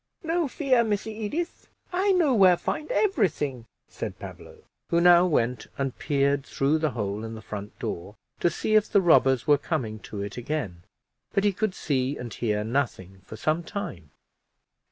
"No fear, Missy Edith, I know where find every thing," said Pablo, who now went and peered through the hole in the front door, to see if the robbers were coming to it again; but he could see and hear nothing for some time.